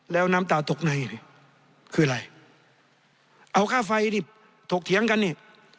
แล้วน้ำตาตกในนี่คืออะไรเอาค่าไฟดิบเถียงกันนี่